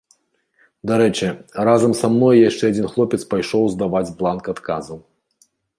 Дарэчы, разам са мной яшчэ адзін хлопец пайшоў здаваць бланк адказаў.